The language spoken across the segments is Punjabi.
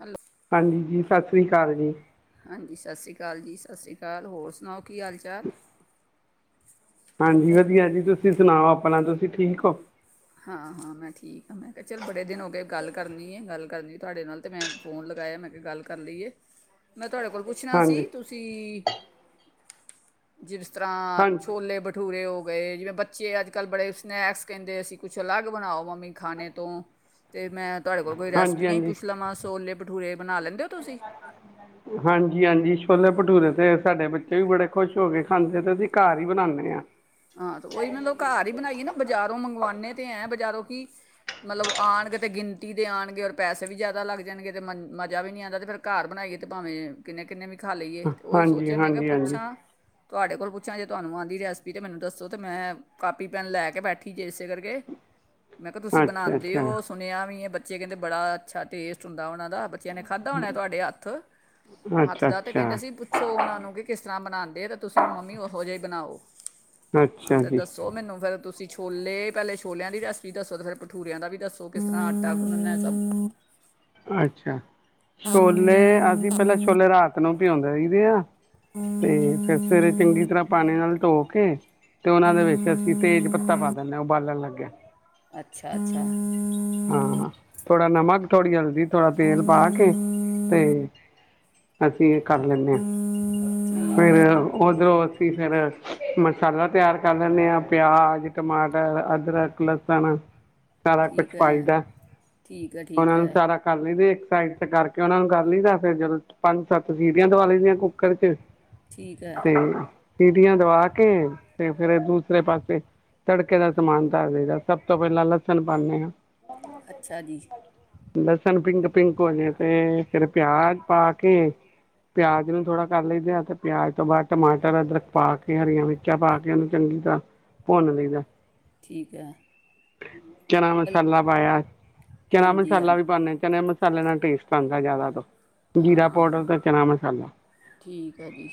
ਹੈਲੋ ਹਾਂਜੀ, ਜੀ ਸਤਿ ਸ੍ਰੀ ਅਕਾਲ ਜੀ। ਹਾਂਜੀ, ਸਤਿ ਸ਼੍ਰੀ ਅਕਾਲ ਜੀ-ਸਤਿ ਸ਼੍ਰੀ ਅਕਾਲ। ਹੋਰ ਸੁਣਾਓ? ਕੀ ਹਾਲ ਚਾਲ ਹਾਂਜੀ ਵਧੀਆ ਜੀ ਤੁਸੀਂ ਸੁਣਾਓ ਆਪ ਆਪਣਾ ਤੁਸੀਂ ਠੀਕ ਹੋ? ਹਾਂ ਹਾਂ ਮੈਂ ਠੀਕ ਮੈਂ ਕਿਹਾ ਚੱਲ ਬੜੇ ਦਿਨ ਹੋ ਗ ਗੱਲ ਕਰਨੀ ਹੈ ਗੱਲ ਕਰਨੀ ਤੁਹਾਡੇ ਨਾਲ ਅਤੇ ਮੈਂ ਫੋਨ ਲਗਾਇਆ ਮੈਂ ਕਿਹਾ ਗੱਲ ਕਰ ਲਈਏ ਮੈਂ ਤੁਹਾਡੇ ਕੋਲ ਪੁੱਛਣਾ ਹਾਂਜੀ ਸੀ ਤੁਸੀਂ ਜੀ ਤਰ੍ਹਾਂ ਹਾਂਜੀ ਛੋਲੇ ਭਠੂਰੇ ਹੋ ਗਏ, ਜਿਵੇਂ ਬੱਚੇ ਅੱਜ ਕੱਲ ਬੜੇ ਸਨੈਕਸ ਕਹਿੰਦੇ ਅਸੀਂ ਕੁਛ ਅਲੱਗ ਬਣਾਓ ਮੰਮੀ ਖਾਣੇ ਤੋਂ ਅਤੇ ਮੈਂ ਤੁਹਾਡੇ ਕੋਲ ਕੋ ਹਾਂਜੀ ਰੈਸਪੀਆਂ ਹੀ ਹਾਂਜੀ ਪੁੱਛ ਲਵਾਂ ਸੋਲੇ ਤੇ ਠੂਰੇ ਹਾਂਜੀ ਹਾਂਜੀ ਛੋਲੇ ਭਟੂਰੇ ਤੇ ਸਾਡੇੇ ਬੱਚੇ ਵੀ ਬੜੇ ਖੁਸ਼ ਹੋ ਕੇ ਖਾਂਦੇ ਤੇ ਅਸੀਂ ਘਰ ਹੀ ਬਣਾਉਂਦੇ ਹਾਂ। ਹਾਂ ਤੇ ਉਹੀ ਮਤਲਬ ਘਰ ਹੀ ਬਣਾਈਏ ਨਾ ਬਜ਼ਾਰੋਂ ਮੰਗਵਾਉੇ ਤੇ ਐਂ ਬਜ਼ਾਰੋਂ ਕਿ ਮਤਲਬ ਆਉਣਗੇ ਤੇ ਗਿਣਤੀ ਦੇ ਆਉਣਗੇ ਔਰ ਪੈਸੇ ਵੀ ਜ਼ਿਆਦਾ ਲੱਗ ਜਾਣਗੇ ਤੇ ਮਨ ਮਜਜ਼ਾ ਵੀ ਨਹੀਂ ਆਉਂਦਾ ਤੇ ਫੇਿਰ ਘਰ ਬਣਾਈਏ ਤੇ ਭਾਵੇਂ ਕਿੰਨੇ ਕਿੰਨੇ ਵੀ ਤਿੱਖਾ ਲਈਏ ਤੇ ਹੀ ਹਾਂਜੀ ਸੋਚਿਆ ਮੈਂ ਕਿਹਾ ਹਾਂਜੀ ਹਾਂਜੀ ਪੁੱਛਾਂ ਤੁਹਾਡੇ ਕੋਲ ਪੁੱਛਾਂ ਜੇ ਤੁਹਾਨੂੰ ਰਸ ਤੇ ਮੈਨੂੰ ਦੱਸੋ ਤੇ ਮੈਂ, ਕਾਪੀ ਪੈਨ ਲੈ ਕੇ ਬੈਠੀ, ਜੇ ਇਸੇ ਕਰਕੇ ਮੈਂ ਕਿਆ, ਤੁਸੀਂ ਅੱਛਾ ਅੱਛਾ ਬਨਾਂਦੇਓ ਸੁਨਿਆ ਵੀ ਬੱਚੇ ਕੇੰਦੇ, ਬੜਾ ਅੱਛਾ ਟੇਸਟ ਹੁੰਦਾ ਹੋ ਨਾ ਬੱਚਿਆਂ ਨੇ ਖਾਧਾ ਹੋਣਾ ਤੁਹਾਡੇ ਹੱਥ, ਹੱਥ ਅੱਛਾ ਦਾ ਤਾਂ ਅੱਛਾ ਕਹਿੰਦੇ ਸੀ, ਪੁੱਛੋ ਉਹਨਾ ਨੂੰ ਕਿ, ਕਿਸ ਤਰ੍ਹਾਂ ਬਨਾੰਦੇ ਆ ਤੇ ਤੁਸੀਂ ਮੰਮੀ ਉਹੋ ਜਿਹੀ ਬਨਾਓ। ਹਾਂ, ਅੱਛਾ ਤੇ ਜੀ ਦੱਸੋ ਮੈਨੂੰ ਫੇਰ ਤੁਸੀਂ ਛੋਲੇ, ਪਹਿਲੇ ਛੋਲਿਆਂ ਦੀ ਰੈਸਪੀ ਦੱਸੋ, ਫਿਰ ਭਠੂੂਰਿਆਂ ਦਾ ਵੀ ਦੱਸੋ ਕਿਸ ਤਰ੍ਹਾਂ ਆਟਾ ਗੁੰਨਣਾ ਅੱਛਾ, ਛੋਲੇ ਅਸੀਂ ਪਹਿਲਾਂ, ਛੋਲੇ ਰਾਤ ਨੂੰ ਭਉਂਦੇ ਰਹੀਦੇ ਹ [inaudible] ਤੇ ਫਿਰ ਸਵੇਰੇ ਚੰਗੀ ਤਰ੍ਹਾਂ ਪਾਣੀ ਨਾਲ ਧੋ ਕੇੇ [inaudible] ਤੇ ਓਨਾਂ ਦੇ ਵਿੱਚ ਅਸੀਂ ਤੇਜ਼ ਪੱਤਾ ਪਾ ਦਿੰਨੇ ਆ ਓਬਾਲਨ ਲੱਗਿਆਂ। ਅੱਛਾ -ਅੱਛਾ। ਆਂ, ਥੋੜਾ ਨਮਕ ਤੋੜੀ ਅਲਦੀ ਥੋੜਾ ਤੇਲ ਪਾ ਕੇ, ਤੇ ਅਸੀਂ ਕਰ ਲੈਂਨੇ ਆਂ, ਠੀਕ ਹੈ ਫਿਰ ਉਧਰੋਂ ਅਸੀਂ ਫਿਰ ਮਸਾਲਾ ਤਿਆਰ ਕਰ ਲੈਂਨੇ ਆਂ, ਪਿਆਜ, ਟਮਾਟਰ, ਅਦਰਕ, ਲਸਣ ਚਾਲਾ ਠੀਕ ਕੁਛ [inaudible] ਪਾਈਦੈ, ਹੈ ਠੀਕ ਹੈ ਠੀਕ ਉਹਨਾਂ ਨੂੰ ਹੈ ਸਾਰਾ ਕਰ ਲਈਦੇ ਸਾਈਡ ਚ ਕਰਕੇ, ਉਹਨਾ ਨੂੰ ਕਰ ਲਇਦਾ ਫਿਰ, ਜਦੋਂ ਪੰਜ ਸੱਤ ਸੀਟੀਂਆਂ ਦਵਾ ਲਈਦੀਆਂ ਕੁੱਕਰ ਚ ਠੀਕ ਹੈ ਤੇ ਨਾ [inaudible] ਸੀਟੀਂਆਂ ਦਵਾ ਕੇ, ਤੇ ਫਿਰ ਦੂਸਰੇ ਪਾਸੇ ਤੜਕੇ ਦਾ ਸਮਾਨ ਦੱਸ ਦੇਦਾ ਸਭ ਤੋਂ ਪਹਿਲਾਂ ਲਸਣ ਪਾਉਦੇ ਆਂ। ਅੱਛਾ ਜੀ। ਲਸਣ ਪਿੰਕ ਪਿੰਕ ਹੋ ਜਾਏ ਤੇ, ਫਿਰ ਪਿਆਜ ਪਾ ਕੇ ਪਿਆਜ ਨੂੰ ਥੋੜਾ ਕਰ ਲਈਦਾ, ਤੇ ਪਿਆਜ ਤੋਂ ਬਾਅਦ ਟਮਾਟਰ, ਅਦਰਕ ਪਾ ਕੇ ਹਰੀਆਂ ਮਿਰਚਾਂ ਪਾ ਕੇ, ਉਹਨੂੰ ਚੰਗੀ ਤਰ੍ਹਾਂ ਭੁੰਨ ਲਈਦਾ। ਠੀਕ ਐ। ਚਨਾ ਮਸਾਲਾ ਪਾਇਆ, ਚਨਾ ਮਸਾਲਾ ਵੀ ਪਾਨੇ ਆ ਚਨ ਮ ਮਸਾਲੇ ਨਾਲ ਟੇਸਟ ਆਉਂਦਾ ਜ਼ਿਆਦਾ ਤੋਂ ਹਾਂ ਜੀਰਾ ਹਾਂ ਪਾਊਡਰ ਤੇ ਚਨਾ ਮਸਾਲਾ ਠੀਕ ਹੈ ਜੀ,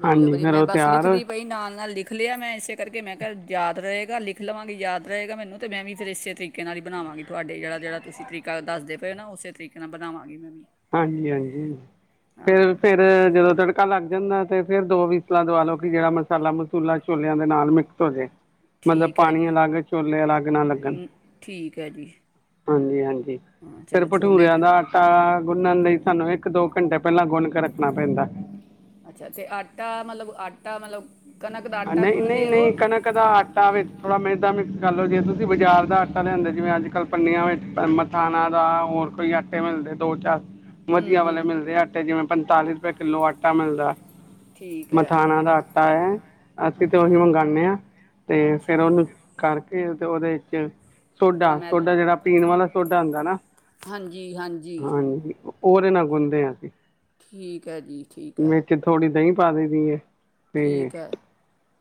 ਵਧੀਆ ਹਾਂਜੀ ਵਧੀਆ ਫਿਰ ਮੈਂ ਉਹ ਬੱਸ ਤਿਆਰ ਹੋਏ। ਲਿਖਦੀ ਪਈ ਨਾਲ -ਨਾਲ ਲਿਖ ਲਿਆ, ਮੈਂ ਇਸੇ ਕਰਕੇ ਮੈਂ ਕਿਹਾ ਯਾਦ ਰਹੇ। ਲਿਖ ਲਵਾਂਗੀ ਯਾਦ ਰਏਗਾ ਮੈਨੂੰ, ਤੇ ਮੈਂ ਵੀ ਫਿਰ ਇਸੇ ਤਰੀਕੇ ਨਾਲ ਹੀ ਬਨਾਵਾਂਗੀ, ਤੁਹਾਡੇ ਜਿਹੜਾ ਜਿਹੜਾ ਤੁਸੀਂ ਤਰੀਕਾ ਦੱਸਦੇ ਪਏ ਹੋ ਨਾ ਉਸੇ ਤਰੀਕੇ ਨਾਲ ਬਣਾਵਾਂਗੀ ਮੈੰ। ਹਾਂਜੀ -ਹਾਂਜੀ, ਫਿਰ ਫੇਰ ਜਦੋਂ ਤੜਕਾ ਲੱਗ ਜਾਂਦਾ ਤੇ ਫਿਰ, ਦੋ ਵੀਸਲਾ ਦਵਾਲੋ ਕਿ ਜਿਹੜਾ ਮਸਾਲਾ ਮਸੂਲਾ ਛੋਲਿਆਂ ਦੇ ਨਾਲ ਮਿਕਸ ਹੋ ਜਾਵੇ। ਮਤਲਬ ਠੀਕ ਹੈ ਪਾਣੀ ਜੀ ਅਲੱਗ, ਛੋਲੇ ਅਲੱਗ ਨਾ ਲੱਗਣ? ਅਮ, ਠੀਕ ਹੈ ਜੀ ਹਾਂਜੀ- ਹਾਂਜੀ। ਹਾਂ ਫਿਰ ਚਲੋ ਛੋਲੇ ਭਠੂਰਿਆਂ ਤੇ ਦਾ ਆਟਾ ਗੁੰਨਨ ਲਈ ਸਾਨੂੰ ਇੱਕ-ਦੋ ਘੰਟੇ ਪਹਿਲਾਂ ਗੁਨ ਕੇ ਰੱਖਣਾ ਪੈਂਦਾ ਅੱਛਾ, ਤੇ ਆਟਾ ਮਤਲਬ ਆਟਾ ਮਤਲਬ ਕਣਕ ਦਾ ਆਟਾ ਨਹੀਂ, ਨਹੀਂ, ਗੁੰਨਦੇ ਹੋ ਨਹੀਂ, ਕਣਕ ਦਾ ਆਟਾ ਵੇਚ ਥੋੜਾ ਮੇਦਾ ਮਿਕ੍ਸ ਚਲੋ ਜੇ ਤੁਸੀ ਬਾਜ਼ਾਰ ਦਾ ਆਟਾ ਲਿਆਂਦੇ ਜਿਵੇਂ ਅੱਜ-ਕੱਲ ਪੰਨੀਆਂ ਵਿੱਚ ਮਥਾਨਾ ਦਾ ਹੋਰ ਕੋਈ ਆਟੇ ਮਿਲਦੇ ਦੋ ਚਾਰ ਹੂੰ ਵਧੀਆ ਵਾਲੇ ਹੂੰ ਮਿਲਦੇ ਆਟੇ ਜਿਵੇਂ ਪੰਤਾਲੀ ਰੁਪਏ ਕਿੱਲੋ ਆਟਾ ਮਿਲਦਾ ਠੀਕ ਹੈ ਮਥਾਣਾ ਦਾ ਆਟਾ ਏ ਅਸੀਂ ਤੇ ਉਹੀ ਅੱਛਾ ਮੰਗਾਨੇ ਹਾਂ, ਤੇ ਅੱਛਾ ਫੇਰ ਉਹਨੂੰ ਕਰਕੇ [unintelligible] ਤੇ ਉਹਦੇ ਵਿੱਚ ਥੋੜ੍ਹਾ ਮੈਦਾ ਸੋਡਾ-ਸੋਡਾ ਜਿਹੜਾ ਪੀਣ ਵਾਲਾ ਸੋਡਾ ਹੁੰਦਾ ਨਾ, ਹਾਂਜੀ ਹਾਂਜੀ ਹਾਂਜੀ ਉਹਦੇ ਨਾਲ ਗੁੰਨਦੇ ਹਾਂ ਅਸੀਂ ਠੀਕ ਹੈ ਜੀ, ਠੀਕ ਹੈ। ਪਾਦੇ ਦੀ ਏ ਤੇ ਠੀਕ ਏ।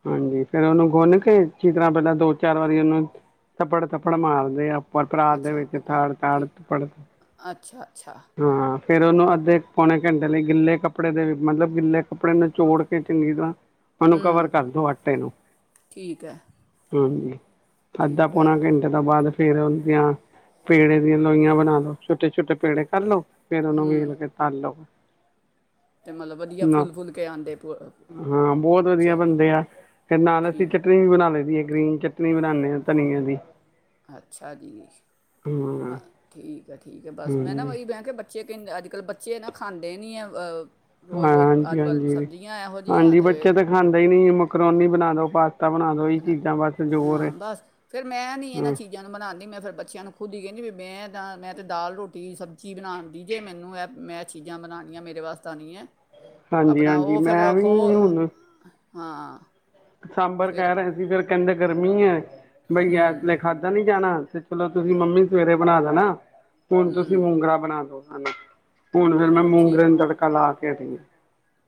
ਹਾਂਜੀ ਫੇਰ ਉਹਨੂੰ ਗੁੰਨ ਕੇ ਅੱਛੀ ਤਰਾਂ ਪਹਿਲਾਂ ਦੋ ਚਾਰ ਵਾਰੀ ਉਹਨੂੰ ਥਪੜ-ਥਪੜ ਮਾਰਦੇ ਆ [unintelligible] ਦੇ ਅੱਛਾ ਵਿੱਚ ਓਕੇ ਥੜ, ਥੜ, ਠੀਕ ਥੜ, ਅੱਛਾ ਅੱਛਾ ਹਾਂ ਫੇਰ ਉਹਨੂੰ ਓ ਅੱਧੇ ਪੌਣੇ ਘੰਟੇ ਲਈ ਗਿੱਲੇ ਕੱਪੜੇ ਦੇ ਮਤਲਬ [unintelligible] ਕੱਪੜੇ ਨ ਚੋੜ ਕੇ ਚੰਗੀ ਤਰਾਂ ਮੈਨੂੰ ਕਵਰ ਹੂੰ ਦੌ ਆਟੇ ਨੂੰ ਠੀਕ ਹੈ ਹੂੰ। ਅੱਧਾ ਠੀਕ ਹੈ ਪੌਣਾ ਘੰਟੇ ਤੋ ਬਾਦ ਫੇਰ ਦੀਆਂ ਪੇੜੇ ਦੀਆਂ ਲੋਈਆਂ ਬਨਾ ਲੋੋ ਛੋਟੇ-ਛੋਟੇ ਪੇੜੇ ਕਰ ਲੋ ਫੇਰ ਉਹਨੂੰ ਵੇਲ ਕੇ ਤਲ ਲਓ। ਤੇ ਮਤਲਬ ਵਧੀਆ ਫੁੱਲ-ਫੁੱਲ ਕੇ ਆਂਦੇ [unintelligible] [inaudible] ਫੇਰ ਨਾਲ ਅਸੀ ਚਟਨੀ ਵੀ ਬਨਾ ਲਈ ਦੀ ਗ੍ਰੀਨ ਚਟਨੀ ਬਨਾਨੇ ਆ ਥਨੀਏ ਦੀ ਅੱਛਾ ਜੀ, ਹਾਂ ਹ ਠੀਕ ਹੈ ਠੀਕ ਹੈ ਬਸ ਮੈਂ ਨਾ ਹਾਂਜੀ ਉਹੀ ਬੱਚੇ ਕੇਂਦੇ ਬੱਚੇ ਕਹਿੰ ਅੱਜ-ਕੱਲ ਬੱਚੇ ਨਾ ਖਾਂਦੇ ਨਹੀਂ [unintelligible] ਹਾਂ ਰੋਜ਼ ਅੱਜ ਕੱਲ੍ਹ ਹਾਂਜੀ-ਹਾਂਜੀ, ਸਬਜ਼ੀਆਂ ਇਹੋ ਜਿਹੀਆਂ ਹਾਂਜੀ ਤੇ ਬੱਚੇ ਤਾ ਖਾਂਦੇ ਹੀ ਨੀ ਮਕਰੋਨੀ ਬਨਾ ਦੋ। ਬਸ। ਬਣਾ ਦੋ ਇਹ ਚੀਜ਼ਾਂ ਜ਼ੋਰ ਹਾਂ ਹੈ। ਬਸ ਫੇਰ ਮੈਂ ਨੀ ਇਹਨਾਂ ਹਮ ਚੀਜ਼ਾਂ ਨੂੰ ਬਨਾਨ ਦੀ ਮੈਂ ਫੇਰ ਬੱਚਿਆਂ ਨੂੰ ਖੁਦ ਹੀ ਕਹਿੰਦੀ ਵੀ‌। ਮੈਂ ਤਾਂ ਮੈਂ ਤਾਂ ਦਾਲ ਰੋਟੀ ਸਬਜ਼ੀ ਬਣਾਨ ਦੀ ਜੇ ਮੈਨੂੰ ਇਹ ਮੈਂ ਚੀਜ਼ਾਂ ਬਣਾਣੀਆਂ ਮੇਰੇ ਵਾਸਤੇ ਨਹੀ ਏ। ਹਾਂਜੀ ਹਾਂਜੀ ਮੈਂ ਵੀ ਹੁਣ ਹਾਂ। ਸਾਂਬਰ ਫਿਰ ਕਹਿ ਰਹੇ ਸੀ ਫਿਰ ਕਹਿੰਦੇ ਗਰਮੀ ਹੈ। ਬਈ ਗੈਸ ਲਈ ਖਾਧਾ ਨੀ ਜਾਣਾ। ਤੇ ਚਲੋ ਤੁਸੀਂ ਮੰਮੀ ਸਵੇਰੇ ਬਣਾ ਦੇਣਾ ਹੁਣ ਤੁਸੀਂ ਮੂੰਗਰਾ ਬਣਾ ਦੋ। ਹਨ। ਹੁਣ ਫੇਰ ਮੈਂ ਚਲੋ ਠੀਕ ਮੂੰਗਰਿਆਂ ਨੂੰ ਤੜਕਾ ਲਾ ਕੇ। ਠੀ ਹੈ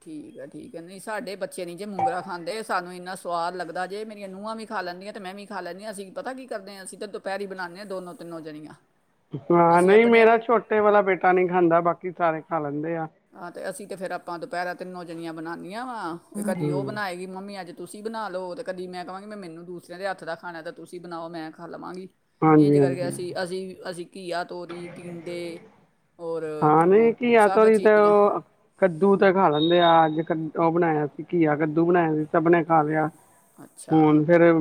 ਠੀਕ ਠੀਕ ਹੈ ਨਹੀਂ ਸਾਡੇ ਬੱਚੇ ਨੀ ਜੇ ਮੂੰਗਰਾ ਖਾਂਦੇ ਸਾਨੂੰ ਇੰਨਾ ਸਵਾਦ ਲੱਗਦਾ ਜੇ ਮੇਰੀਆਂ ਨ ਨੂੰਹਾਂ ਵੀ ਖਾ ਲੈਂਦੀਆਂ ਤੇ ਮੈਂ ਵੀ ਖਾ ਲੈਂਦੀ ਹਾਂ ਅਸੀਂ ਪਤਾ ਕੀ ਕਰਦੇ ਹ ਅਸੀਂ ਤਾਂ ਦੁਪਹਿਰੀ ਬਣਾਂਦੇ ਹਾਂ ਦੋਨੋ ਤਿੰਨੋ ਜਣੀਆਂ। ਹਾਂ ਅਸੀਂ ਨਹੀਂ ਆਪਣੇ ਮੇਰਾ ਛੋਟੇ ਵਾਲਾ ਬੇਟਾ ਨਹੀਂ ਖਾਂਦਾ। ਬਾਕੀ ਸਾਰੇ ਖਾ ਲੈਂਦੇ ਆ ਹਾਂ ਤੇ ਅਸੀਂ ਤੇ ਫੇਰ ਆਪਾਂ ਦੁਪਹਿਰ ਤਨ ਜਣੀਆਂ ਬਣਾਦੀਆਂ ਵਾ। ਕਦੀ ਉਹ ਹੂੰ ਬਣਾਏਗੀ ਮੰਮੀ ਅੱਜ। ਤੁਸੀਂ ਬਣਾ ਲ ਲੋ ਤੇ ਕਦੀ ਮੈਂ ਕਹਾਂਗੀ ਮੈਂ ਮੈਨੂੰ ਦੂਸਰਿਆਂ ਦੇ ਹੱਥ ਦਾ ਖਾਣਾ ਤਾਂ ਤੁਸੀਂ ਬਣਾਓ ਮੈਂ ਖਾ ਲਵਾਂਗੀ। ਇੰਝ ਹਾਂਜੀ ਕਰਕੇ ਹਾਂਜੀ ਹਾਂਜੀ ਅਸੀਂ ਅਸੀਂ ਅਸੀਂ। ਘਆ ਤੋਰੀ ਟੀਂਡੇ ਔਰ ਹਾਂ ਨਹੀਂ ਘੀਆ ਸਭ ਤੋਰੀ ਚੀਜ਼ਾਂ ਉਹ ਕੱਦੂ ਤਾਂ ਖਾ ਲੈਂਦੇ ਆ। ਅੱਜ ਕੱਲ ਉਹ ਬਣਾਇਆ ਸੀ ਘੀਆ ਕੱਦੂ। ਹੁਣ ਸਭ ਨੇ ਕਾਮਯਾਬ ਅੱਛਾ ਹੁਣ ਫੇਰ।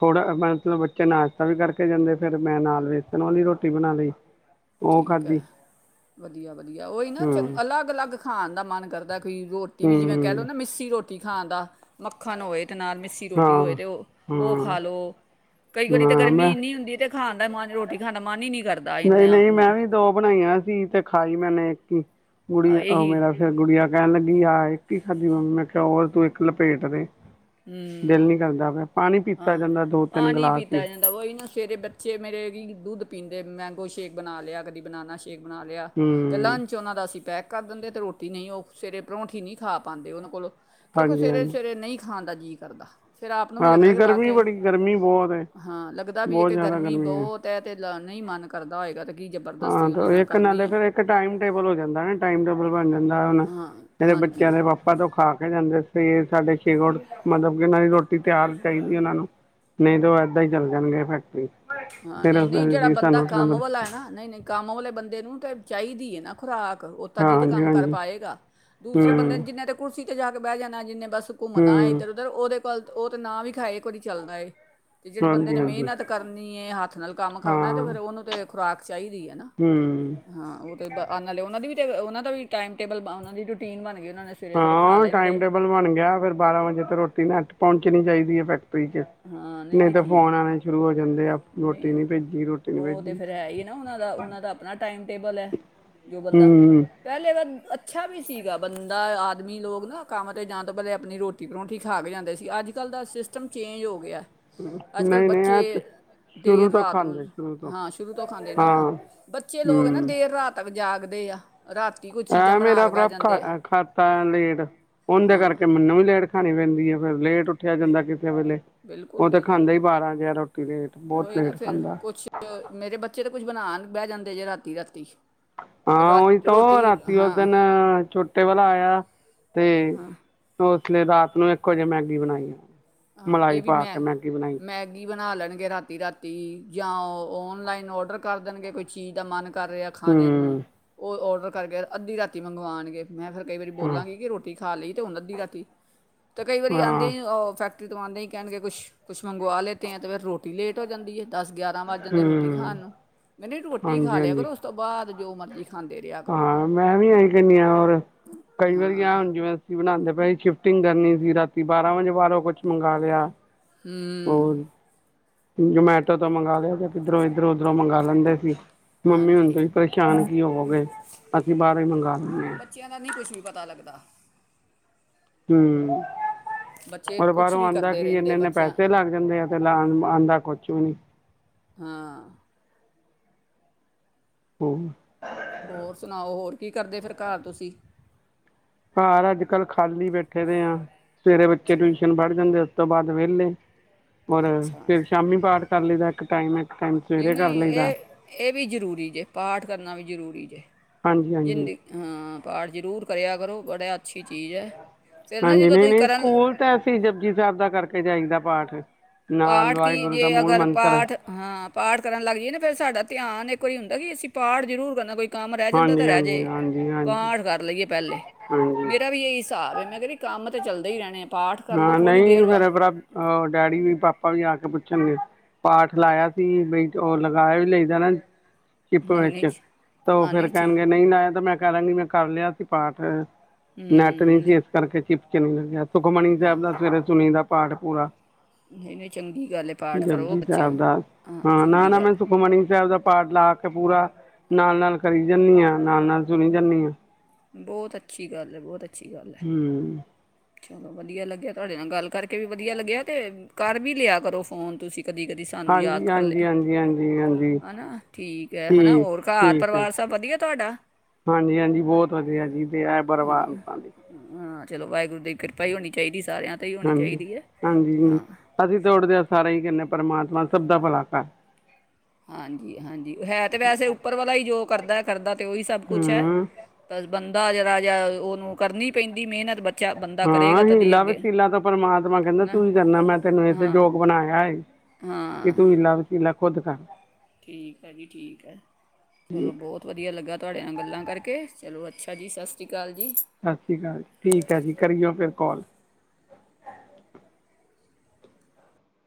ਥੋੜਾ ਮਤਲਬ ਬੱਚੇ ਨਾਸ਼ਤਾ ਵੀ ਕਰਕੇ ਜਾਂਦੇ ਫਿਰ ਮੈਂ ਨਾਲ ਵੇਸਣ ਵਾਲੀ ਰੋਟੀ ਬਣਾ ਲਈ। ਉਹ ਠੀਕ ਹੈ ਖਾਧੀ ਵਧੀਆ ਵਧੀਆ ਉਹੀ ਨਾ ਚੰ ਹੂੰ ਅਲੱਗ ਅਲੱਗ ਖਾਣ ਦਾ ਮਨ ਕਰਦਾ। ਕੋਈ ਰੋਟੀ ਵੀ ਜਿਵੇਂ ਕਹਿ ਲਉ ਹੂੰ ਨਾ ਮਿੱਸੀ ਰੋਟੀ। ਖਾਣ ਦਾ ਮੱਖਣ ਹੋਵੇ। ਤੇਨਾਰ ਮਿੱਸੀ ਰੋਟੀ ਹੋਏ ਹਾਂ ਤਾਂ ਉਹ ਹਾਂ ਖਾ ਲਉ ਕਈ ਵਾਰੀ ਤਾਂ ਹਾਂ ਗਰਮੀ ਮੈਂ ਇੰਨੀ ਹੁੰਦੀ ਤਾਂ ਖਾ। ਮਨ ਰੋਟੀ ਖਾਣਾ ਮਨ ਹੀ। ਕਰਦਾ ਨਹੀਂ ਇੰਨੇ ਨਹੀਂ ਮੈਂ ਵੀ ਦੋ ਬਣਾਈਆਂ। ਧੀ ਤੇ ਖਾਈ ਮੈਨੇ ਇੱਕ ਹੀ। ਗੁੜੀ ਅ, ਉਹ ਇਹੀ ਮੇਰਾ ਫਿਰ ਕਹਿਣ ਲੱਗੀ ਆ ਇੱਕ ਹੀ ਖਾਧੀ ਮੰਮੀ ਨੇਖਿਆ ਹੋਰ ਤੂੰ ਇੱਕ ਲਪੇਟ ਦੇ ਦਿਲ ਹਮ, ਨਹੀਂ ਕਰਦਾ ਪਿਆ ਪਾਣੀ ਪੀਤਾ ਹਾਂ, ਜਾਂਦਾ ਦੋ ਤਿੰਨ ਪਾਣੀ ਗਲਾਸ ਹੀ ਪੀਤਾ ਜਾਂਦਾ ਵਹੀ ਨਾ ਸਵੇਰੇ, ਬੱਚੇ ਮੇਰੇ ਕੀ ਦੁੱਧ ਪੀਂਦਾ। ਤੇ ਮੈਂਗੋ ਸ਼ੇਕ ਬਣਾ ਲਿਆ, ਕਦੀ ਬਨਾਨ ਸੇ਼ ਸ਼ੇਕ ਬਣਾ ਲਿਆ ਤੇ, ਹੂੰ ਲੰਚ ਉਹਨਾਂ ਦਾ ਅਸੀਂ ਪੈਕ ਕਰ ਦਿੰਦੇ ਤਾਂ, ਰੋਟੀ ਨਹੀਂ ਉਹ ਸਵੇਰੇ ਪਰੌਂਠੀ ਨਹੀਂ ਖਾ ਪਾਉਂਦੇ, ਉਹਨਾਂ ਕੋਲੋਂ। ਕਿਉਂਕਿ, ਹਾਂਜੀ ਹਾਂਜੀ ਸਵੇਰੇ-ਸਵੇਰੇ ਨਹੀਂ ਖਾਨ ਦਾ ਜੀਅ ਕਰਦਾ। ਫਿਰ ਆਪ ਨੂੰ ਵੀ ਹਾਂ ਲੱਗਦਾ ਨਹੀਂ ਕਿ, ਵਾਹ ਗਰਮੀ ਕੇ ਬੜੀ ਗਰਮੀ ਬਹੁਤ ਹੈ ਹਾਂ ਲੱਗਦਾ ਵੀ ਹੈ ਕਿ, ਗਰਮੀ ਬਹੁਤ ਹੈ, ਅਤੇ ਨਹੀਂ, ਮਨ ਕਰਦਾ ਹੋਏਗਾ ਤੇ। ਕੀ ਹਾਂ ਜ਼ਬਰਦਸਤੀ ਉਹਨਾਂ ਤੇ, ਨਾਲ ਇੱਕ ਕਰਨੀ ਨਾਲੇ ਹੈ ਫੇਰ ਇੱਕ ਟਾਈਮ ਟੇਬਲ ਹੋ ਜਾਂਦਾ ਨਾ, ਟਾਈਮ ਟੇਬਲ ਬਣ ਜਾਂਦਾ। ਹਾਂ ਮੇਰੇ ਬੱਚਿਆਂ ਹਾਂਜੀ ਦੇ ਪਾਪਾ ਤੋਂ ਖਾ ਕੇ। ਜਾਂਦੇ ਸੀ ਸਾਡੇ ਸ਼ੇਗੋਟ ਮਤਲਬ ਕਿ ਨਦੀ। ਰੋਟੀ ਤਿਆਰ ਚਾਹੀਦੀ ਉਹਨਾਂ ਨੂੰ। ਨਹੀਂ ਤੇ ਉਹ ਏਦਾਂ ਹੀ ਚੱਲ ਜਾਣਗੇ ਫੈਕਟਰੀ ਹਾਂ, ਤੇਰਾਂ ਨਹੀਂ, ਸੌ ਨਹੀਂ ਜਿਹੜਾ ਸੀ ਬੰਦਾ ਸਾਨੂੰ ਕੰਮ ਨੰਬਰ ਵਾਲਾ ਹੈ ਨਾ। ਨਹੀਂ, ਨਹੀਂ, ਕੰਮ ਵਾਲੇ ਬੰਦੇ ਨੂੰ ਤੇ ਚਾਹੀਦੀ ਹੈ ਨਾ ਖੁਰਾਕ। ਉ ਤਦੀ ਤੇ ਹਾਂਜੀ ਕੰਮ ਕਰ ਹਾਂਜੀ ਪਾਏਗਾ ਦੂਸਰੇ ਬੰਦੇ ਹੂੰ ਨੇ ਜਿੰਨੇ ਤੇ ਕੁਰਸੀ ਉੱ ਜਾ ਕੇ ਬਹਿ ਜਾਣਾ ਜਿੰਨੇ ਬਸ ਘੁੰਮਣਾ, ਹੂੰ ਇੱਧਰ ਉਧਰ ਉਹਦੇ ਲ ਉਹ ਤਾਂ, ਨਾ ਵੀ ਖਾਏ ਕੋ ਨ ਚੱਲਦਾ ਏ। ਤੇ ਜਿਹੜੇ ਬੰਦੇ ਹਾਂਜੀ ਨੇ ਹਾਂਜੀ ਮਿਹਨਤ ਕਰਨ ਨੀ ਇਹ ਹੱਥ ਨਾਲ ਕੰਮ ਕਰਨਾ ਤੇ, ਹਾਂ ਫੇਰ ਉਹਨੂੰ ਤੇ ਖੁਰਾਕ। ਚਾਹੀਦੀ ਹੈ ਨਾ, ਹੂੰ ਹਾਂ, ਉਹ ਤੇ, ਆ ਨਾਲੇ ਉਹਨਾਂ ਦੀ ਵੀ ਤੇ ਉਹਨਾ ਦਾ ਵੀ ਟਾਈਮ ਟੇਬਲ, ਉਹਨਾਂ ਦੀ ਰੂਟੀਨ ਬਣ ਗਈ। ਉਹਨਾਂ ਨੇ ਸਵੇਰੇ ਸਵੇਰੇ ਖਾ ਹਾਂ, ਟਾਈਮ ਲੈਂਦੇ ਟੇਬਲ ਬਣ ਗਿਆ, ਫੇਰ ਬਾਰਾਂ ਵਜੇ ਤੇ ਰੋਟੀ ਨਾ ਹੱਟ ਪਹੁੰਚਣੀ ਚਾਹੀਦੀ ਹੈ। ਫੇਰ ਠੀਕ ਏ ਨਹੀਂ ਤਾਂ ਫੋਨ ਆਉਣੇ ਸ਼ੁਰੂ ਹੋ ਜਾਂਦੇ ਆ। ਨਹੀਂ, ਰੋਟੀ ਭੇਜੀ ਰੋਟੀ ਨਹੀਂ ਉਹ ਤੇ ਭੇਜੀ ਫਿਰ ਹੈ ਹੀ ਨਾ, ਉਹਨਾਂ ਦਾ ਉਹਨਾਂ ਦਾ ਆਪਣਾ ਟਾਈਮ ਟੇਬਲ ਹੈ ਜੋ ਬੰਦਾ ਹੂੰ ਪਹਿਲੇ ਪਰ ਅੱਛਾ ਵੀ ਸੀਗਾ ਬੰਦਾ ਆਦਮੀ ਲੋਕ ਨਾ ਕੰਮ 'ਤੇ ਜਾਂ ਤੋ ਪਹਿਲੇ ਆਪਣੀ ਰੋਟੀ, ਪਰੋਂਂਠੀ ਖਾ ਕੇ ਜਾਂਦੇ ਸੀ‌। ਅੱਜ ਕੱਲ੍ਹ ਦਾ ਸਿਸਟਮ ਚੇਂਜ ਹੋ ਗਿਆ। ਅੱਜ ਕੱਲ ਨਹੀਂ, ਨਹੀਂ, ਬੱਚੇ ਆਤ ਦੇਰ ਰਾਤ ਨੂੰ, ਹਾਂ ਸ਼ੁਰੂ ਤੋਂ ਖਾਂਦੇ ਨਾ ਹਾਂ ਬੱਚੇ ਲੋਕ ਨਾ ਦੇਰ ਰਾਤ ਜਾਗਦੇ ਆ। ਰਾਤੀ ਕੋਈ ਚੀਜ਼ਾਂ ਆਂ ਬਣਾ ਮੇਰਾ ਕੇ ਬਹਿ ਭਰਾ ਜਾਂਦੇ ਆ ਖਾ ਖਾਤਾ ਏ ਲੇਟ ਉਂਹਦੇ ਹਾਂ ਕਰਕੇ ਮੈਨੂੰ ਵੀ ਲੇਟ ਖਾਣੀ ਪੈਂਦੀ ਹੈ। ਫਿਰ ਲੇਟ ਉੱਠਿਆ ਜਾਂਦਾ ਕਿ। ਵੇਲੇ ਬਿਲਕੁਲ ਉਹ ਤਾਂ ਖਾਂਦਾ ਬਿਲਕੁਲ ਹੀ, ਬਾਰਾਂ ਜਿਹਾ ਰੋਟੀ ਲੇਟ ਬਹੁਤ ਉਹੀ ਨਾ ਲੇਟ ਫਿਰ ਖਾਂਦਾ ਕੁਛ ਮੇਰੇ ਬੱਚੇ ਤਾਂ ਕੁਝ ਬਣਾਉਣ ਬਹਿ ਜਾਂਦੇ ਜੇ ਰਾਤੀ- ਰਾਤੀ ਹਾਂ, ਰਾ ਉਹੀ ਤਾਂ, ਉਹ ਰੋਟੀ ਰਾਤੀ ਉਸ ਹਾਂ ਦਿਨ ਛੋਟੇ ਵਾਲਾ ਆਇਆ ਤੇ ਉਸ ਪਿਛਲੇ ਰਾਤ ਨੂੰ ਇੱਕ ਵਜੇ ਮੈਗੀ ਬਣਾਈ ਆ। ਆਹ ਮਲਾਈ ਇਹ ਵੀ ਪਾ ਮੈ, ਕੇ ਮੈਗੀ ਬਣਾਈ ਮੈਗੀ ਬਣਾ ਲੈਣੀ। ਰਾਤੀ ਰਾਤੀ ਜਾਂ ਔਨਲਾਈਨ ਔਡਰ ਕਰ ਦੇਣਗੇ, ਕੋਈ ਚੀਜ਼ ਦਾ ਮਨ ਕਰ ਰਿਹਾ ਖਾਣੇ ਨੂੰ ਹੂੰ ਉਹ ਔਡਰ ਕਰਕੇ ਅੱਧੀ ਰਾਤੀ ਮੰਗਵਾਣਗੇ। ਮੈਂ, ਫਿਰ ਕਈ ਵਾਰੀ ਹਾਂ ਬੋਲਾਂਗੀ ਕਿ, ਰੋਟੀ ਖਾ ਲਈ ਤੇ ਹੁਣ ਅੱਧੀ ਰਾਤੀ। ਤੇ ਕਈ ਵਾਰੀ ਆਉਂਦੇ, ਹਾਂ ਹੀ ਫੈਕ ਰੋ ਤੋਂਵਾਉਂਦੇ ਹੀ ਕਹਿਣਗੇ ਕੁਛ, ਕੁਛ ਮੰਗਵਾ ਲੇਤੇ ਹੈ, ਤਾਂ ਫਿਰ ਰੋਟੀ ਲੇਟ ਹੋ ਜਾਂਦੀ ਹੈ। ਦਸ, ਗਿਆਰਾਂ ਵੱਜ ਜਾਂਦੇ ਰੋਟੀ ਹੂੰ ਖਾਣ ਨੂੰ, ਮੈਂਨ ਰੋਟੀ ਖਾ ਹਾਂਜੀ ਲਿਆ ਹਾਂਜੀ ਕਰੋ ਉਸ ਤੋਂ ਬਾਅਦ ਜੋ ਮਰਜ਼ੀ। ਖਾਂਦੇ ਰਿਹਾ ਕਰੋ ਹਾਂ, ਮੈਂ ਵੀ, ਆਹੀਂ ਕਨੀ ਹ ਹੋਰ ਕਈ ਵਾਰੀ ਆ ਹੁਣ ਜਿਵੇਂ, ਅਸੀਂ ਬਣਾਉਦੇ ਪਏ ਕੁਟਿੰਗ ਕਰਨੀ ਸੀ, ਰਾਤੀ ਬਾਰਾਂ ਵਜੇ ਬਾਹਰੋਂ ਕੁਛ ਮੰਗ ਲਿਆ ਹਮ। ਹੋਰ ਜਮੈਟੋ ਤੋਂ ਮੰਗ ਲਿਆ ਤੇ, ਕਿੱਧਰੋਂ, ਇਧਰੋਂ, ਉਧਰੋਂ ਮੰਗਵਾ ਲੈਂਦੇ ਸੀ। ਮੰਮੀ ਹੁਣ ਹਾਂਜੀ ਤੁਸੀ ਪਰੇਸ਼ਾਨ ਕੀ ਹੋਵੋਗੇ। ਅਸੀਂ ਬਾਹਰੋ ਹੀ ਮੰਗਵਾ ਲੈਂਦੇ ਹਾਂ ਬੱਚਿਆਂ ਦਾ ਨਹੀਂ ਕੁਛ ਵੀ ਪਤਾ ਲੱਗਦਾ। ਹਮ। ਬੱਚੇ ਉਹਰ ਕੁਛ ਬਾਹਰੋਂ ਵੀ ਆਉਂਦਾ ਕਰਦੇ ਕੀ, ਰਹਿੰਦੇ ਇਨੇ- ਇਨੇ ਬੱਚਿਆਂ ਪੈਸੇ ਲੱਗ ਜਾਂਦੇ ਆ, ਤੇ ਲ ਆਉਂਦਾ ਕੁਛ ਵੀ ਨੀ। ਹਾਂ। ਹੋਮ ਹੋਰ ਸੁਣਾਓ, ਹੋਰ ਕੀ ਕਰਦੇ ਫਿਰ ਘਰ ਤੁਸੀਂ ਹਾਰ ਅੱਜ, ਕੱਲ੍ਹ ਖਾਲੀ ਬੈਠੇ ਦੇ ਆ, ਸਵੇਰੇ ਬੱਚੇ ਟਿਊਸ਼ਨ ਪੜ੍ਹ ਜਾਂਦੇ ਆ ਉਸ ਤੋਂ ਬਾਅਦ ਵਿਹਲੇ ਔਰ ਅੱਛਾ‌ ਫਿਰ ਸ਼ਾਮੀ ਪਾਠ ਕਰ ਲਈਦਾ ਇੱਕ ਟਾਈਮ ਇੱਕ ਟਾਈਮ ਨਹੀਂ, ਸਵੇਰੇ ਕਰ ਨਹੀਂ ਲਈਦਾ। ਇਹ, ਇਹ ਵੀ ਜ਼ਰੂਰੀ ਜੇ, ਪਾਠ ਕਰਨਾ ਵੀ ਜ਼ਰੂਰੀ ਜੇ, ਹਾਂਜੀ ਜਿੰਦ ਹਾਂਜੀ ਹਾਂ ਪਾਠ ਜ਼ਰੂਰ ਕਰਿਆ ਕਰੋ ਗੋਡਿਆਤ ਹਾਂਜੀ, ਨਹੀਂ, ਨਹੀਂ ਕਰਨ ਸਕੂਲ ਤਾਂ ਅਸੀਂ ਜਪੁਜੀ ਸਾਹਿਬ ਦਾ ਕਰਕੇ ਜਾਈਦਾ। ਪਾਠ। ਨਾਲ ਪਾਠ ਕੀ ਵਾਹਿਗੁਰੂ ਦਾ ਜੇ ਮੂਲ ਅਗਰ ਮੰਤਰ ਪਾਠ ਹਾਂ ਪਾਠ ਕਰਨ ਲੱਗ ਜਾਈਏ ਨਾ ਫ਼ਿਰ ਸਾਡਾ ਧਿਆਨ ਇੱਕ ਵਾਰੀ ਹੁੰਦਾ ਕਿ ਅਸੀਂ ਪਾਠ ਜ਼ਰੂਰ ਕਰਨਾ ਕੋਈ ਕੰਮ ਰਹਿ ਜਾਂਦਾ ਤਾਂ ਹਾਂਜੀ ਰਹਿ ਹਾਂਜੀ ਜੇ ਹਾਂਜੀ ਹਾਂਜੀ ਪਾਠ ਕਰ ਲਈਏ ਪਹਿਲੇ ਹਾਂਜੀ ਮੇਰਾ ਵੀ ਇਹੀ ਹਿਸਾਬ ਹੈ ਮੈਂ ਕਹਿੰਦੀ ਕੰਮ ਤੇ ਚੱਲਦੇ ਹੀ ਰਹਿਣੇ ਪਾਠ ਕਰ ਲਓ ਹਾਂ ਥੋੜ੍ਹੀ ਨਹੀਂ ਦੇਰ ਬਾਅਦ ਫੇਰ [unintelligible] ਡੈਡੀ ਵੀ ਪਾਪਾ ਵੀ ਆ ਕੇ ਪੁੱਛਣਗੇ ਪਾਠ ਲਾਇਆ ਸੀ ਬਈ ਉਹ ਲਗਾਇਆ ਵੀ ਲਈਦਾ ਨਾ ਸ਼ਿਪ ਨਹੀਂ ਨਹੀਂ ਵਿੱਚ ਜੀ ਤਾਂ ਉਹ ਹਾਂ ਫੇਰ ਨਹੀਂ ਠੀ ਕਹਿਣਗੇ ਨਹੀਂ ਨਾ ਆਯਾ ਤਾਂ ਮੈਂ ਕਰਾਂਗੀ ਮੈਂ ਕਰ ਲਿਆ ਸੀ ਪਾਠ ਨੈਟ ਨਹੀਂ ਸੀ ਇਸ ਕਰਕੇ ਚਿਪ [unintelligible] ਸੁਖਮਣੀ ਸਾਹਿਬ ਦਾ ਸਵੇਰੇ ਸੁਣੀ ਦੇ ਪਾਠ ਪੂਰਾ ਨਈ ਨਈ ਚੰਗੀ ਗੱਲ ਐ ਪਾਠ ਕਰੋ ਜਪਜੀ ਬੱਚਿਆਂ, ਸਾਹਿਬ ਦਾ ਹਾਂ ਨਾ ਚੰਗੀ ਨਾ ਮੈਂ ਗੱਲ ਐ ਸੁਖਮਨੀ ਸਾਹਿਬ ਦਾ ਪਾਠ ਲਾ ਕੇ ਪੂਰਾ ਨਾਲ ਨਾਲ ਕਰੀ ਜਾਨੀ ਆ ਨਾਲ ਨਾਲ ਸੁਨੀ ਜਾਂਨੀ ਆ। ਬਹੁਤ ਅੱਛੀ ਗੱਲ ਹੈ ਬਹੁਤ ਅੱਛੀ ਗੱਲ ਹੈ ਹਮ। ਚਲੋ ਵਧੀਆ ਲੱਗਿਆ ਤੁਹਾਡੇ ਨਾਲ ਗੱਲ ਕਰਕੇ ਵੀ ਵਧੀਆ ਲੱਗਿਆ ਤੇ ਘਰ ਵੀ ਲਿਆ ਕਰੋ ਫੋਨ ਤੁਸੀਂ ਕਦੀ ਕਦੀ ਸਾਨੂੰ ਯਾਦ ਹਾਂਜੀ ਕਰ ਹਾਂਜੀ ਲਿਆ ਹਾਂਜੀ ਹਾਂਜੀ ਹਾਂਜੀ ਹੈ ਨਾ ਠੀਕ ਹੈ ਹੈ ਨਾ ਠੀਕ ਹੋਰ ਘਰ ਠੀਕ ਹੈ ਪਰਿਵਾਰ ਸਭ ਵਧੀਆ ਤੁਹਾਡਾ ਹਾਂਜੀ ਹਾਂਜੀ ਬਹੁਤ ਵਧੀਆ ਜੀ ਤੇ ਐ ਪਰਿਵਾਰ ਹਾਂ ਚਲੋ ਵਾਹਿਗੁਰੂ ਦੀ ਕਿਰਪਾ ਹੀ ਹੋਣੀ ਚਾਹੀਦੀ ਸਾਰਿਆਂ 'ਤੇ ਹੀ ਹੋਣੀ ਹਾਂਜੀ ਚਾਹੀਦੀ ਹੈ ਹਾਂਜੀ ਹਾਂ ਅਸੀਂ ਤੋੜਦੇ ਸਾਰਾ ਹੀ ਕਹਨੇ ਆ ਪਰਮਾਤਮਾ ਸਭ ਦਾ ਭਲਾ ਕਰ ਹਾਂਜੀ ਹਾਂਜੀ ਹੈ ਤੇ ਵੈਸੇ ਉੱਪਰ ਵਾਲਾ ਹੀ ਜੋ ਕਰਦੇ ਕਰਦਾ ਤੇ ਉਹੀ ਸਭ ਕੁਝ ਹੈ ਹੂੰ ਬਸ ਬੰ ਦਾ ਜਿਹਰਾ ਜਾ ਉਹਨੂੰ ਕਰਨੀ ਪੈਂਦੀ ਮਿਹਨਤ ਬੱਚਾ ਬੰਦਾ ਕਰੇਗਾ ਹਾਂ ਤਦੀ ਹੀਲਾ ਅੱਗੇ ਵਸੀਲਾ ਤਾ ਪਰਮਾਤਮਾ ਕਹਿੰਦੇ ਨਾ ਤੁਸੀ ਕਰਨਾ ਮੈਂ ਤੈਨੂੰ ਏਸੇ ਹਾਂ ਜੋਗ ਬਣਾਇਆ ਏ ਕਿ ਹਾਂ ਤੂੰ ਹੀਲਾ ਵਸੀਲਾ ਖੁਦ ਕਰ ਠੀਕ ਹੈ ਜੀ ਠੀਕ ਹੈ ਚਲੋ ਬਹੁਤ ਵਧੀਆ ਲੱਗਾ ਤੁਹਾਡੇ ਨਾਲ ਗੱਲ ਗੱਲਾਂ ਕਰਕੇ ਚਲੋ, ਅੱਛਾ ਜੀ, ਸਸ ਸ੍ਰੀ ਅਕਾਲ। ਜੀ ਸਸ ਸ੍ਰੀ ਕਾਲ ਜੀ, ਠੀਕ ਹੈ ਜੀ ਕਰੀਓ ਫਿਰ ਕਾਲ